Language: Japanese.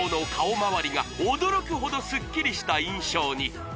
まわりが驚くほどすっきりした印象に！